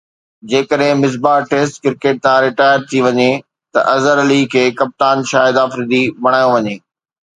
جيڪڏهن Misbah test cricket تان retire ٿي وڃي ته اظهر علي کي ڪپتان شاهد آفريدي بڻايو وڃي